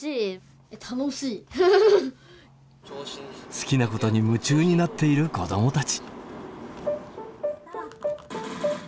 好きなことに夢中になっている子どもたち。